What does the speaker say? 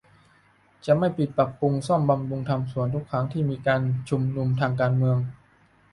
จะไม่ปิดปรับปรุงซ่อมบำรุงทำสวน ทุกครั้งที่จะมีชุมนุมทางการเมือง